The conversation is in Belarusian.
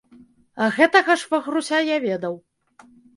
А гэтага швагруся я ведаў.